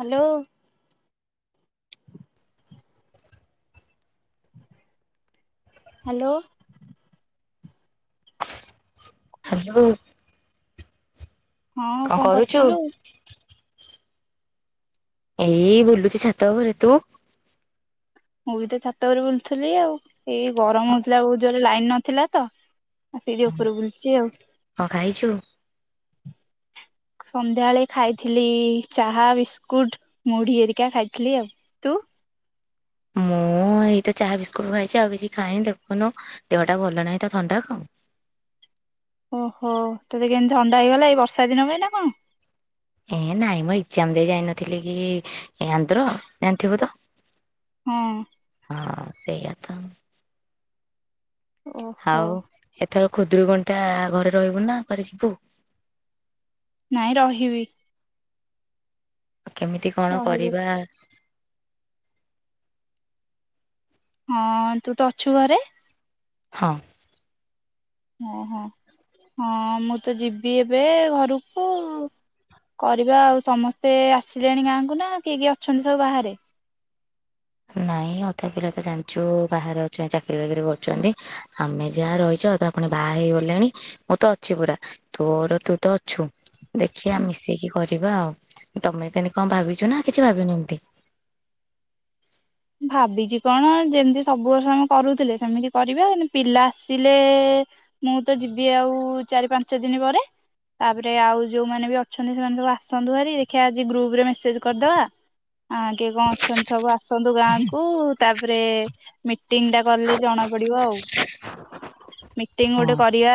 Hello. Hello. Hello. ହଁ କଣ କରୁଚୁ? କରୁଥିଲୁ ଏଇ ବୁଲୁଚି ଛାତ ଉପରେ ତୁ? ମୁଁ ବି ତ ଛାତ ଉପରେ ବୁଲୁଥିଲି ଆଉ ଏଇ ଗରମ ହଉଥିଲା ବହୁତ ଜୋରେ ଲାଇନ ନଥିଲା ତ ଆଉ ସେଇଠି ଉପରେ ବୁଲୁଛି ଆଉ। କଁ ଖାଇଛୁ? [unintelligible] ସନ୍ଧ୍ୟାବେଳେ ଖାଇଥିଲି ଚାହା ବିସ୍କୁଟ ମୁଢି ଏରିକା ଖାଇଥିଲି ଆଉ ତୁ? ମୁଁ ମୁଁ ଏଇତ ଚାହା ବିସ୍କୁଟ ଖାଇଛି ଆଉ କିଛି ଖାଇନି ଦେଖୁନୁ ଦେହଟା ଭଲ ନାହିଁ ତ ଥଣ୍ଡା କୁ। ଓହୋ ତତେ କେମିତି ଥଣ୍ଡା ହେଇଗଲା ଏଇ ବର୍ଷା ଦିନ ପାଇଁ ନା କଣ? ଏ ନାଇଁ ମୁଁ ଏକ୍ଜାମ ଦେଇ ଯାଇନଥିଲି କି ଆନ୍ଧ୍ର ଜାଣିଥିବୁ ତ। ହଁ। ହଁ ସେଇଆ ତ। ଓହୋ ଆଉ ଏଥର ଖୁଦରୁକୁଣି ଟା ଘରେ ରହିବୁ ନା କୁଆଡେ ଯିବୁ? ନାଇଁ ରହିବି। କେମିତି କଣ ରହିବି କରିବା? ହଁ ତୁ ତ ଅଛୁ ଘରେ। ହଁ। ଓହୋ ହଁ ମୁଁ ତ ଯିବି ଏବେ ଘରକୁ କରିବା ଆଉ ସମସ୍ତେ ଆସିଲେଣି ଗାଁ କୁ ନା କିଏ କିଏ ଅଛନ୍ତି ସବୁ ବାହାରେ? ନାଇଁ ଅଧାପିଲା ତ ଜାଣିଛୁ ବାହାରେ ଅଛନ୍ତିଚାକିରୀ ବାକିରି କରୁଛନ୍ତି ଆମେ ଯାହା ରହିଛୁ। ତ ଅଧା ପୁଣି ବାହା ହେଇଗଲେଣି ମୁଁ ତ ଅଛି ପୁରା ତୋର ତୁ ତ ଅଛୁ ଦେଖିବା ମିଶେଇକି କରିବା ଆଉ ତମେ ଏକାନି କଣ ଭାବିଛ ନା କିଛି ଭାବିନ ଏମିତି। [inaudible] ଭାବିଛି କଣ ଯେମିତି ସବୁ ବର୍ଷ ଆମେ କରୁଥିଲେ ସେମିତି କରିବା ପିଲା ଆସିଲେ ମୁଁ ତ ଯିବି ଆଉ ଚାରି ପାଞ୍ଚ ଦିନି ପରେ ତାପରେ ଆଉ ଯୋଉମାନେ ବି ଅଛନ୍ତି ସେମାନେ ସବୁ ଆସନ୍ତୁ ହେରି ଦେଖିବା ଆଜି ଗ୍ରୁପରେ ମେସେଜ କରିଦବା ହଁ କେ କଣ ଅଛନ୍ତି ସବୁ ଆସନ୍ତୁ ଗାଁ କୁ ତାପରେ ମିଟିଙ୍ଗ ଟା କରିଲେ ଜଣା ପଡିବ ଆଉ। ମିଟିଙ୍ଗ ହଁ ଗୋଟେ କରିବା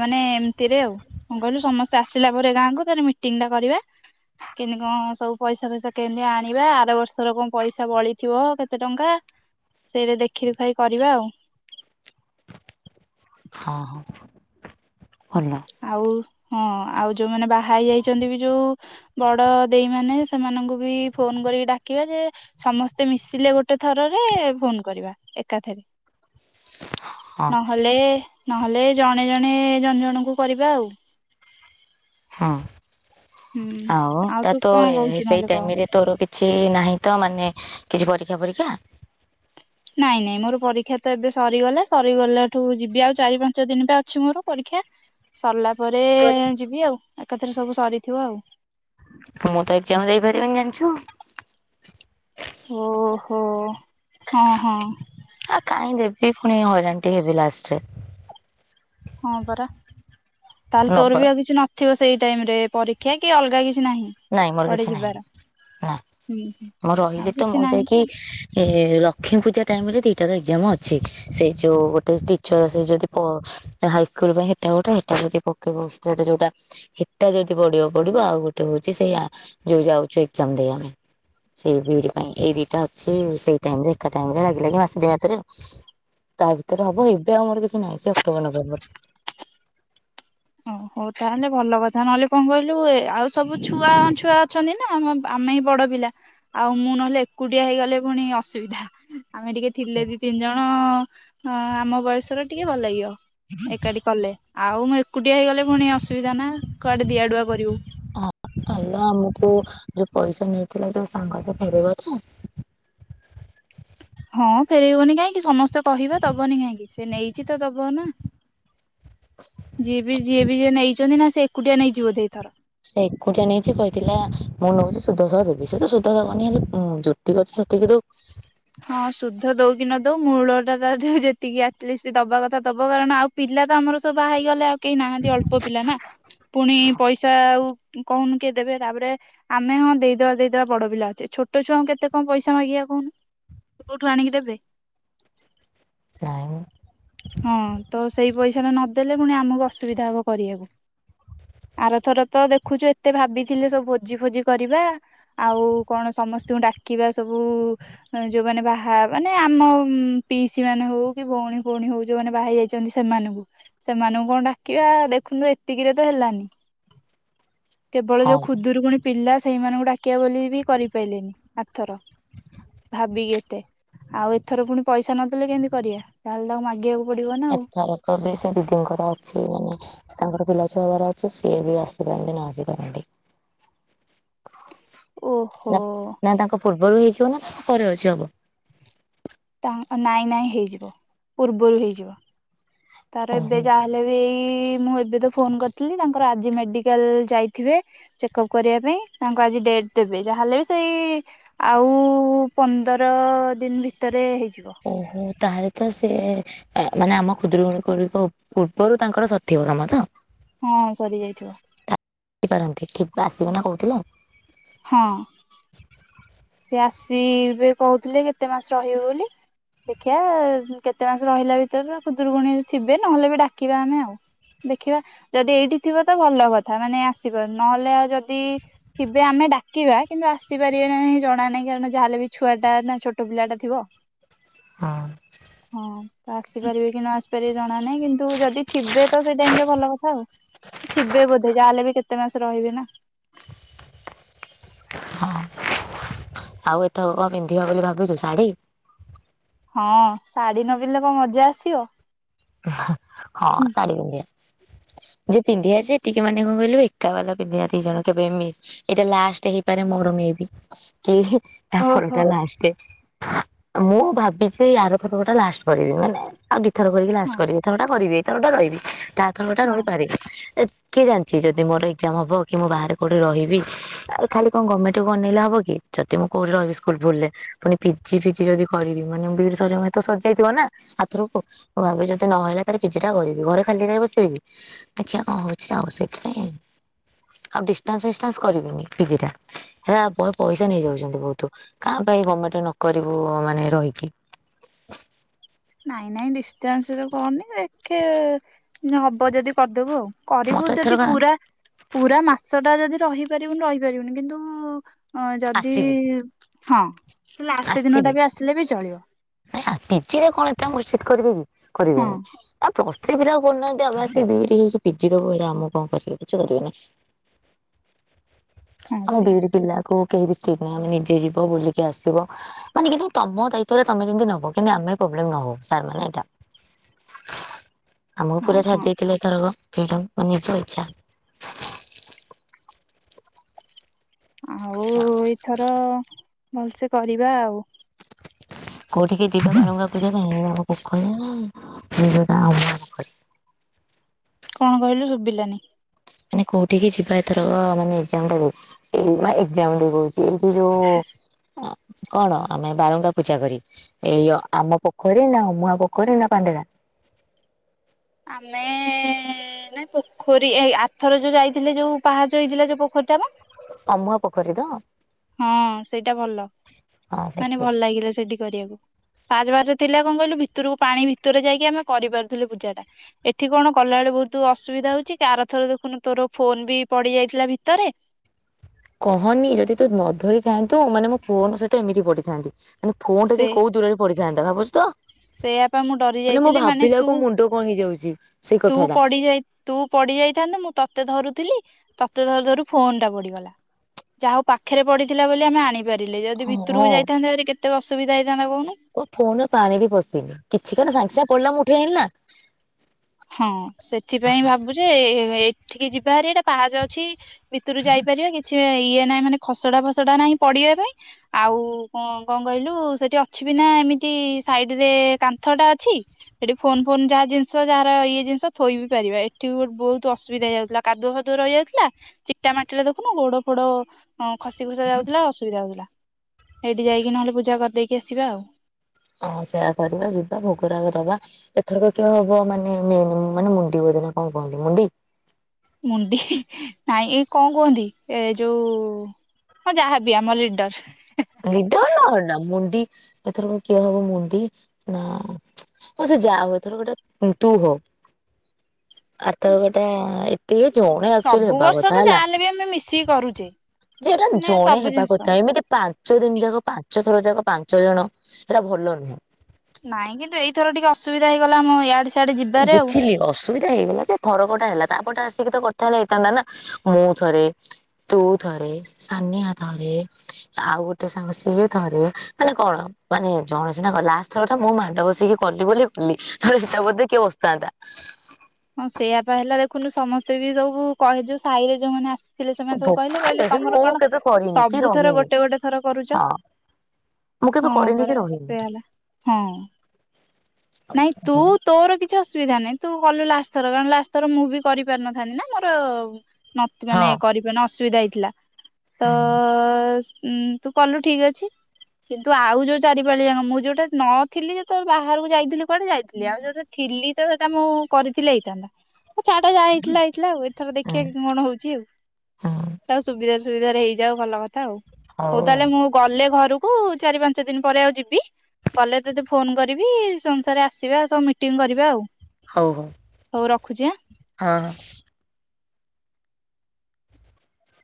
ମାନେ ଏମିତିରେ ଆଉ କଣ କହିଲୁ ସମସ୍ତେ ଆସିଲା ପରେ ଗାଁକୁ ତାପରେ ମିଟିଙ୍ଗ ଟା କରିବା କେମତି କଣ ସବୁ ପଇସା ଫଇସା କେମତି ଆଣିବା ଆର ବର୍ଷର କଣ ପଇସା ବଳିଥିବ କେ କେତେ ଟଙ୍କା ସେଇଟା ଦେଖି ଦେଖାଇ କରିବା ଆଉ। ହଁ। ଭଲ। ଆଉ ହଁ। ଆଉ ଯୋଉମାନେ ବାହା ହେଇ ଯାଇଛନ୍ତି ବି ଯୋଉ ବଡ ଦେଇ ମାନେ ସେମାନଙ୍କୁ ବି ଫୋନ କରିକି ଡାକି ସମସ୍ତେ ମିଶିଲେ ଗୋଟେ ଥରରେ ଫୋନ କରିବା ଏକାଥରେ। ହଁ ନହେଲେ ନହେଲେ ଜଣେ ଜଣେ ଜଣ ଜଣଙ୍କୁ କରିବା ଆଉ। ହଁ ଆଉ ହୁଁ। ଆଉ ତା ତୁ ତ କଣ କହୁଛୁ ସେଇ ନହେଲେ କହ ଟାଇମରେ ତୋର କିଛି ନାହିଁ ତ ମାନେ କିଛି ପରି ଆ ପରୀକ୍ଷା ପରୀକ୍ଷା? [unintelligible] ନାଇଁ ନାଇଁ ମୋର ପରୀକ୍ଷା ତ ଏବେ ସରିଗଲା ସରିଗଲାଠୁ ଯିବି ଆଉ ଚାରି ପାଞ୍ଚ ଦିନ ବା ଅଛି ମୋର ପରୀକ୍ଷା ସରିଲା ପରେ ଯିବି ଆଉ ଏକାଥରେ ସବୁ ସରିଥିବ ଆଉ। ମୁଁ ତ ଏକଜ଼ାମ ଦେଇପାରିବିନି ଜାଣିଛୁ। ଓହୋ ହଁ ହଁ।। ଆ କାହିଁ ଦେବି ପୁଣି ହଇରାଣ ଟି ହେବି ଲାଷ୍ଟରେ। ହଁ ପରା ତାହଲେ ନବ ତୋର ବି ଆଉ କିଛି ନଥିବ ସେଇ ଟାଇମ ରେ ପରୀକ୍ଷା କି ଅଲଗା କିଛି? ନାହିଁ ନାଇଁ ମୋର କୁଆଡେ କିଛି ନାହିଁ ଯିବାର ନାଁ। ହୁଁ ହୁଁ। ମୁଁ ଆଉ ରହିଲି ତ କିଛି ମୁଁ ନାହିଁ ଯାଇକି ଏ ଲକ୍ଷ୍ମୀ ପୂଜା ଟାଇମରେ ଏଟାର ଏକଜ଼ାମ ଅଛି ସେ ଯେଉଁ ଗୋଟେ ଟିଚର ସେ ଯଦି ପ ହାଇସ୍କୁଲ ପାଇଁ ହେଟା ଗୋଟେ ହେଟା ଗୋ ଯଦି ପକେଇବ ସେଟ ଯୋଉଟା ହେଟା ଯଦି ପଡିବ ପଡିବ ଆଉ ଗୋଟେ ହଉଛି ସେଇଆ ଯୋଉ ଯାଉଛୁ ଏକଜ଼ାମ ଦେଇ ପାଇଁ। ସେଇ ବିଡି ପାଇଁ ଏଇ ଦିଟା ଅଛି ସେଇ ଟାଇମରେ ଏକା ଟାଇମ ରେ ଲାଗି ଲାଗ ମାସେ ଦିଇ ମାସରେ। ତା ଭିତରେ ହବ ଏବେ ଆମର କିଛି ନାହିଁ ସେ ଅକ୍ଟୋବର ନଭେମ୍ବର। [unintelligible] ଓ ହଉ ତାହେଲେ ଭଲ କଥା ନହେଲେ କଣ କହିଲୁ ଏ ଆଉ ସବୁ ଛୁଆ ଛୁଆ ଅଛନ୍ତି ନା ଆମ ଆମେ ବଡ ପିଲା ଆଉ ମୁଁ ନହେଲେ ଏକୁଟିଆ ହେଇଗଲେ ପୁଣି ଅସୁବିଧା। ଆମେ ଟିକେ ଥିଲେ ଦି ତିନି ଜଣ ଆମ ବୟସର ଟିକେ ଭଲଲାଗିବ। ଏକାଠି କଲେ ଆଉ। କୁଟିଆ ହେଇଗଲେ ପୁଣି ଅସୁବିଧା ନା କୁଆଡେ ଦିଆଡୁଆ କରିବୁ। ହଁ ଆଲୋ ଆମକୁ ଯୋଉ ପଇସା ନେଇଥିଲା ଯୋଉ ସାଙ୍ଗ ସେ ଫେରେଇବ ତ? ହଁ ଫେରେଇବନି କାହିଁକି ସମସ୍ତେ କହିବେ ଦବନି କାହିଁକି ସେ ନେଇଛି ତ ଦବ ନା। ଯିଏ ବି ଯିଏ ବି ଯେ ନେଇଛନ୍ତି ନା ସେ ଏକୁଟିଆ ନେଇଛି ବୋଧେ ଏଇଥର ସେ ଏକୁଟିଆ ନେଇଛିି କହିଥିଲା ମୁଁ ନଉଛିି ସୁଧସହ ଦେବି ସେ ତ ସୁଧ ଦବନି ହେଲେ ଯେତିକି ଅଛି ସେ ଟଖେୁ [inaudible] ହଁ ସୁଧ ଦଉ କି ନ ଦଉ ମୂଳ ଟା ତ ଯେତିକି ଆଟଲିଷ୍ଟ ଦବାକଥା ଦବ କାରଣ ଆଉ ପି ପିଲା ତ ଆମର ସବୁ ବାହା ହେଇଗଲେ ଆଉ କେହି ନାହାନ୍ତି ଅଳ୍ପ ପିଲା ନା ପୁଣି ପଇସା ଆଉ। କହୁନୁ କିଏ ଦେବେ ତାପରେ ଆମେ ହଁ ଦେଇଦବା ଦେଇଦବା ବଡ ପିଲା ଅଛେ ଛୋଟ ଛୁଆଙ୍କୁ କେତ କଣ ପଇସା ମାଗିବା କହୁନୁ। ସେ କୋଉଠୁ ଆଣିକି ଦେବେ। ସୋଇ [inaudible] ସେମାନେ ନଦେଲେ ପୁଣି ଆମକୁ ଅସୁବିଧା ହବ କରିବାକୁ। ଆର ଥର ତ ଦେଖୁଛ ଏତେ ଭାବିଥିଲେ ସବୁ ଭୋଜି ଫୋଜି କରିବା ଆଉ କଣ। ସମସ୍ତ ଙ୍କୁ ଡାକିବା ସବୁ ଯୋଉମାନେ ବାହା ମାନେ ଆମ ପିଇସି ମାନେ ହଉ କି ଭଉଣୀ ଭଉଣୀ ହଉ ଯୋଉମାନେ ବାହା ହେଇ ଯାଇଛନ୍ତି ସେମାନଙ୍କୁ। ସେମାନଙ୍କୁ କଣ ଡାକିବା ଦେଖୁନୁ ଏତିକିରେ ତ ହେଲାନି। କେବଳ ହଁ ଯୋଉ ଖୁଧୁରୁ କୁଣି ପିଲା ସେଇମାନଙ୍କୁ ଡାକିବା ବୋଲି ବି କରିପାରିଲେନି ଆଥର। ଭାବିକି ଏତେ ଆଉ ଏଥର ପୁଣି ପଇସା ନଦେଲେ କେମିତି କରିବା ତା ହେଲେ ତାକୁ ମାଗିବାକୁ ପଡିବ ନା ଆଉ ଏଥରକ ବି ସେ ଦିଦିଙ୍କର ଅଛି ମାନେ ତାଙ୍କର ପିଲାଛୁଆ ହବାର ଅଛି ସିଏ ବି ଆସିପାରନ୍ତି ନ ଆସିପାରନ୍ତି। ଓହୋ! ପରେ ହେଇଚି ନା ପରେ ଅଛି ହବ। ତାନାଇଁ ନାଇଁ ହେଇଯିବ ପୂର୍ବରୁ ହେଇଯିବ। ତାର ଏବେ ଓହୋ ଯାହାହେଲେ ବି ଏଇ ମୁଁ ଏବେ ତ ଫୋନ କରିଥିଲି ତାଙ୍କର ଆଜି ମେଡିକାଲ ଯାଇଥିବେ। ବେ ଚେକପ୍ କରିବା ପାଇଁ ତାଙ୍କ ଆଜି ଡେଟ ଦେବେ। ଯାହାହେଲେ ବି ସେଇ ଆଉ ପ ପନ୍ଦର ଦିନ ଭିତରେ ହେଇଯିବ। ମ୍ ତାହେଲେ ତ ସେ ମାନେ ଆମ ଖୁଡୁରୁ କୁଣୀ ଗୁଡିକ ପୂର୍ବରୁ ତାଙ୍କର ସରତି ବ କାମ ତ? ହଁ ସରି ଯାଇଥିବ। ପାରନ୍ତି କେବେ ଆସିବେ ନା କହୁଥିଲେ? ହଁ। ସେ ଆସିବେ କହୁଥିଲେ କେତେ ମାସ ରହିବ ବୋଲି। ଦେଖିବା କେତେ ମାସ ରହିଲା ଭିତରେ ଖୁଦୂରକୁୁଣୀ ଥିବେ ନହେଲେ ବି ଡାକିବା ଆମେ ଆଉ। ଦେଖିବା ଯଦି ଏଇଠି ଥିବ ତ ଭଲ କଥା ମାନେ ଆସିବ ନହେଲେ ଆଉ ଯଦି ଥିବେ ଆମେ ଡାକିବା କିନ୍ତୁ ଆସିପାରିବେ ନା ନାହି। ଜଣା ନାହିଁ। କାରଣ ଯାହାେଲେ ବି ଛୁଆ ଟା ନା ଛୋଟ ପିଲା ଟା ଥିବ। ହଁ ହଁ ଆସିପାରିବେ କି ନ ଆସିପାରିବେ ଜଣା ନାହିଁ କିନ୍ତୁ ଯଦି ଥିବେ ତ ସେ ଟାଇମରେ ଭଲ କଥା ଆଉ। ଥିବେ ବୋଧେ ଯାହଲେ ବି କେତେ ମାସ ରହିବେ ନା। ହଁ। ଆଉ ଏତର କଣ ପିନ୍ଧିବ ବୋଲି ଭାବୁଛ ଶାଢୀ? ହଁ, ଶାଢୀ ନ ପିନ୍ଧିଲେ କଣ ମଜା ଆସିବ। ହଁ ଶାଢ଼ୀ ପିନ୍ଧିବା। ଯେ ପିନ୍ଧିଆ ସେ ଟିକେ ମାନେ କଣ କହିଲୁ, ଏକା ବାଲା ପିନ୍ଧିବା ଦିଇ ଜଣ କେବେ ମି ଏଇଟା ଲାଷ୍ଟ ହେଇପାରେ ମୋର। ମେ ବି, କେହି ତା ଓହୋ ପରଟା ଲାଷ୍ଟେ। ମୁଁ ଭାବିଛି ଆର ତାରକଟା ଲାଷ୍ଟ କରିବି। ମାନେ ଆଉ ଦୁଇଥର କରିକି ହଁ ଲାଷ୍ଟ କରିବି ଏଥର ଟା କରିବି ଏଥରଟା ରହିବି ତା ଥରଟା ହଁ। ରହିପାରେ ଏ କିଏ ଜାଣିଛି ଯଦି ମୋର ଏଜାମ ହବ କି, ମୁଁ ବାହାରେ କୋଉଠି ରହିବି। ଖାଲି କଣ ଗମେଣ୍ଟ କୁ ଅନେଇଲେ ହବ କି? ଯଦି ମୁଁ କୋଉଠି ରହି ସ୍କୁଲ ଫୁଲରେ, ପୁଣି ପିଜି ଫିଜି ଯଦି କରିବି ମାନେ ମୁଁ ବି ଇ ଡି ସରିବ ମାନେ ସରିଯାଇଥିବା ନା। ଆର ଥରକୁ ଭାବ ଭାବରେ ଯଦି ନହେଲା ତା ପିଜିଟା କରିବି ଘରେ ଖାଲି କାଇଁ ବସିବିକି? ଦେଖିଆ କଣ ହଉଛି ଆଉ ସେଇଥିପାଇଁ। ଆଉ ଡିସ୍ ଟାନ୍ସ ପିସଟାନ୍ସ କରିବିନି ପିଜି ଟା। ହେଲା ପଇସା ନେଇଯାଉଛନ୍ତି ବହୁତ। କାଁ ଭା କାଇଁ ଗାମେଣ୍ଟରେ ନ କରିବୁ ମାନେ ରହିକି। ନାଇଁ ନାଇଁ ଡିଷ୍ଟାନ୍ସରେ କରନି। ଦେଖେ ହବ ଯଦି କରିଦେବୁ ଆଉ। ମୁଁ ତ କରିବୁ ଯଦି ଏଥରକ ପୁରା ପୁରା ମାସ ଟା ଯଦି ରହିପାରିବୁନି ରହିପାରିବୁନି କିନ୍ତୁ? ଅ ଯଦି ଆସିବି ହଁ ସେ ଲାଷ୍ଟ ଦିନ ଟା ବି ଆସିଲେ ବି ଚଳିବ। ହ ହଁ ପି ଜି [unintelligible] କରିବି କି ହଁ କରିବେନି। ପ୍ଲସ ଥ୍ରି ପିଲା ଆଉ କରୁନାହାନ୍ତି ଆମେ ଆସି ବି ଇ ଡିହେଇକି ପି ଜି ଦବୁ ଏ ଆମ କଣ କରିବେ, କିଛି କରିବେ ନାହିଁ। ହଁ ଆମ ବି ସେଇଆ। ଇ ଡି ପିଲା କୁ କେହି ବି ସେଥିପାଇଁ ଆମେ ନିଜେ ଯିବ ବୁଲିକି ଆସିବ। ମାନେ କିନ୍ତୁ ତମ ଦାୟିତ୍ୱ ରେ ତମେ ଯେମିତି ନବ କିନ୍ତୁ ଆମେ ପ୍ରୋବ୍ଲେମ ନହଉ। ହଉ ସାର୍ ମାନେ ଏଇଟା। ଆମକୁ ହଁ ପୁରା ଛାଡ଼ି ହଁ ଦେଇଥିଲେ ଏଇଥରକ ଫ୍ରିଡମ ମାନେ ନିଜ ଇଚ୍ଛା ଆଉ ଏଇଥର ଭଲସେ କରିବା ଆଉ। କୋଉଠିକି ଯିବା ବାଳୁଙ୍ଗା ପୂଜା ପାଇଁ ନୂଆଁ ପୋଖରୀ ନା ଅମୂଆ ପୋଖରୀ। କଣ କହିଲୁ ଶୁଭିଲାନି? ମାନେ କୋଉଠିକି ଯିବା ଏଥରକ ମାନେ ଏକ୍ସାମ୍ ଦେବାକୁ ଏମା ଏକ୍ସମ୍ ଦେବା କହୁଚି। ଏଇଠି ଯୋଉ କଣ ଆମେ ବାଳୁଙ୍କା ପୂଜା କରି ଏଇ ଆମ ପୋଖରୀ ନା ଅମୂଆ ପୋଖରୀ ନା ପାଣ୍ଡେରା। ଆମେ ନାଇ ପୋଖରୀ ଏ ଆଥର ଯୋଉ ଯାଇଥିଲେ ଯୋଉ ପାହାଚ ହେଇଥିଲା ଯୋଉ ପୋଖରୀ ଟା ପା। ଅମୁଆ ପୋଖରୀ ତ। ହଁ ସେଇଟା ଭଲ ହଁ ମାନେ ସେଇଠି ଭଲ ଲାଗିଲା ସେଇଠି କରିବାକୁ। ପାହାଚ ପାହାଚ ଥିଲା କଣ କହିଲୁ ଭିତରକୁ ପାଣି ଭିତରେ ଯାଇକି ଆମେ କରିପାରୁଥିଲେୁ ପୂଜା ଟା ଏଠି କଣ କଲେ ବେଳେ ବହୁତ ଅସୁବିଧା ହଉଛି କାର ଥର ଦେଖୁନୁ ତୋର ଫୋନ ବି ପଡି ଯାଇଥିଲା ଭିତରେ। କହନି ଯଦି ତୁ ନ ଧରିଥାନ୍ତୁ ମାନେ ମୋ ଫୋନ୍ ସହିତ ଏମିତି ପଡିଥାନ୍ତି। ମାନେ ଫୋନ୍ ଟା ସେ କୋଉ ଦୂରରେ ପଡିଥାନ୍ତା ଭାବୁଛୁ ତ। ସେଆ ପା ମୁଁ ଡରି ମୁଁ ଯାଇଥିଲି ମାନେ ତୁ ଭାବିଲାକୁ ମୁଣ୍ଡ କଣ ହେଇଯାଉଛି ସେଇ ତୁ କଥା ଟା ପଡି ଯାଇ ତୁ ପଡିଯାଇ ଥାନ୍ତ ମୁଁ ତତେ ଧରୁ ଥିଲି ତତେ ଧରୁ ଧରୁ ଫୋନ ଟା ପଡିଗଲା ଯାହା ହଉ ପାଖରେ ପଡିଥିଲା ବୋଲି ଆମେ ଆଣି ପାରିଲେ ଯଦି ଭିତରକୁ ହଁ। ଯାଇଥାନ୍ତେେ କେତ ଅସୁବିଧା ହେଇ ଓ ଫୋନରେ ପାଣି ବି ପଶିନି କିଛି କଣ ସାଙ୍ଗେ ସାଙ୍ଗେ ପଡିଲା ମୁଁ ଉଠେଇ ଆଣିଲି ନା। ହଁ ସେଥିପାଇଁ ଭାବୁଛି ଏ ଏଠିକି ଯିବା ହେରି ଏଇଠି ପାହାଚ ଅଛି। ଭିତରୁ ଯାଇପାରିବା କିଛି ଇଏ ନାହିଁ ମାନେ ଖସଡା ଫସଡା ନାହିଁ ପଡିବା ପାଇଁ ଆଉ କଣ କହିଲୁ ସେଠି ଅଛି ବି ନା ଏମିତି ସାଇଡରେ କାନ୍ଥଟା ଅଛି ସେଠି ଫୋନ ଫୋନ ଯାହା ଜିନିଷ ଯା ଇଏ ଜିନିଷ ଥୋଇବି ପାରିବା ଏଠି ଗୋଟେ ବହୁତ୍ ଅସୁବିଧା ହୋଇଯାଉଥିଲା କାଦୁଅ ଫାଦୁଆ ରହିଯାଉଥିଲା ଚିକିଟା ମାଟିି ଦେଖୁନୁ ଗୋଡ଼ ଫୋଡ଼ ଅଁ ଖସି ଖୁସା ଯାଉଥିଲା ଅସୁବିଧା ହେଉଥିଲା ଏଇଠି ଯାଇକି ନହେଲେ ପୂଜା କରିଦେଇକି ଆସିବା ଆଉ। ହଁ ସେୟା କରିବା ଯିବା ଭୋଗରାଗ ଦବା ଏଥରକ କିଏ ହବ ମାନେ ମେ ମାନେ ମୁଣ୍ଡି ନା କଣ କୁହନ୍ତି ମୁଣ୍ଡି? ମୁଣ୍ଡି ନାଇଁ ଏଇ କଣ କୁହନ୍ତି ଏ ଯୋଉ ହଁ ଯାହାବି ଆମ ଲିଡର୍। ଲିଡର୍ ନା ମୁଣ୍ଡି ଏଥରକ କିଏ ହବ ମୁଣ୍ଡି ନା ସେ ଯାହା ହଉ ଏଥରକ ଟା ତୁ ହୋ। ଆରଥରକ ଟା ଏ କିଏ ଜଣେ ଆକଚ୍ୟୁଲି ସବୁ ହେବା ବର୍ଷ କଥା ତ ହେଲା। ଯାହାହେଲେ ବି ଆମେ ମିଶିକି କରୁଛେ ଯେ ଏଟା ମାନେ ଜଣେ ସବୁ ହେବା ଜିନିଷ କଥା ଏମିତି ପାଞ୍ଚ ପାଞ୍ଚ ଦିନି ଯାକ ପାଞ୍ଚ ଥର ଯାକ ପାଞ୍ଚ ଜଣ ସେଇଟା ଭଲ ନୁହେଁ। ନାଇଁ କିନ୍ତୁ ଏଇଥର ଟିକେ ଅସୁବିଧା ହେଇଗଲା ମ ଇଆଡେ ସିଆଡେ ଯିବାରେ ଆଉ ବୁଝିଲି ଅସୁବିଧା ହେଇଗଲା ଯେ ଥରକଟା ହେଲା ତା ଏପଟେ ଆସିକି ତ କରିଥାନ୍ତେ ହେଇଥାନ୍ତା ନା ମୁଁ ଥରେ ତୁ ଥରେ ସାନିଆ ଥରେ ଆଉ ଗୋଟେ ସାଙ୍ଗ ସିଏ ଥରେ ମାନେ କଣ ମାନେ ଜଣେ ସିନା [unintelligible] ଲାଷ୍ଟ୍ ଥର ଟା ମୁଁ ମାଡ଼ ବସିକି କଲି ବୋଲି କଲି ଏଟା ବୋଧେ କିଏ ବସିଥାନ୍ତା। ହଁ ସେଇଆପା ହେଲା ଦେଖୁନୁ ସମସ୍ତେ ବି ସବୁ କହି ଯୋଉ ସାହି ରେ ଯୋଉମାନେ ଆସି ଥିଲେ ସେମାନେ ସବୁ କହିଲେ ବୋପା କହିଲେ ଦେଖେ ତମର ମୁଁ କଣ କେବେ କରିନି କି ସବୁ ଥର ରହିନି ଗୋଟେ ଗୋଟେ ଥର କରୁଚ। ହଁ ମୁଁ କେବେ ହଁ କରିନି କି ପରା ରହିନି ସେଇଆ ହେଲା ହଁ। ନାଇଁ ତୁ ତୋର କିଛି ଅସୁ ସୁବିଧା ନାହିଁ ତୁ କଲୁ ଲାଷ୍ଟ୍ ଥର କାରଣ ଲାଷ୍ଟ୍ ଥର ମୁଁ ବି କରିପାରିନଥାନ୍ତି ନା ମୋର ନ ତ ମାନେ ହଁ କରିପାରିନି ଅସୁବିଧା ହେଇଥିଲା ତ ହୁଁ ଉୁଁ ତୁ କଲୁ ଠିକ୍ ଅଛି। କିନ୍ତୁ ଆଉ ଯୋଉ ଚାରିପାଳି ଯାକ ମୁଁ ଯୋଉଟା ନଥିଲି ଯେତେବେଳେ ବାହାରକୁ ଯାଇ କୁଆଡେ ଯାଇଥିଲି ଆଉ ଯୋଉଟା ଥିଲି ତ ସେଟା ମୁଁ କରିଥିଲେ ହେଇଥାନ୍ତା। ଛାଡ଼ ଯାହା ହେଇଥିଲା ହେଇଥିଲା ଏଥର ହୁଁ ଦେଖିବା କଣ ହଉଛି ଆଉ ହୁଁ ତାକୁ ସୁବିଧା ସୁବିଧାରେ ହେଇଯାଉ ଭଲ କଥା ଆଉ ହଉ ତାହେଲେ ମୁଁ ଗଲେ ଘରୁ କୁ‌ ଚାରି ପାଞ୍ଚ ଦିନ୍ ପରେ ଆଉ ଯିବି ଗଲେ ତତେ ଫୋନ୍ କରିବି ସମ୍ ରେ ଆସିବା ସବୁ ମିଟିଂ କରିବା ଆଉ। ହଉ ହଉ ହଉ ରଖୁଛି ଆଁ। ହଁ।